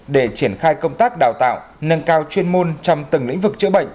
để triển khai công tác đào tạo nâng cao chuyên môn trong từng lĩnh vực chữa bệnh